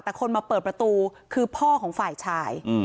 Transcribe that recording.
แต่คนมาเปิดประตูคือพ่อของฝ่ายชาย